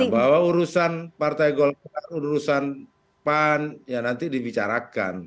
bahwa urusan partai golkar urusan pan ya nanti dibicarakan